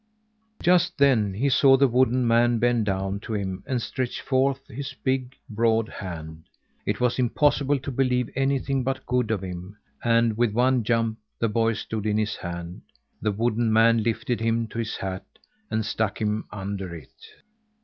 Just then he saw the wooden man bend down to him and stretch forth his big, broad hand. It was impossible to believe anything but good of him; and with one jump, the boy stood in his hand. The wooden man lifted him to his hat and stuck him under it.